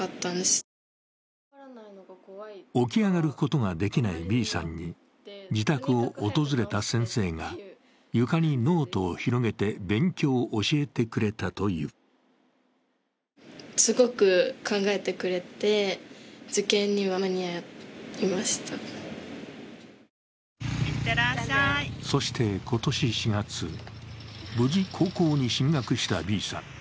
起き上がることができないＢさんに、自宅を訪れた先生が床にノートを広げて勉強を教えてくれたというそして今年４月、無事高校に進学したＢさん。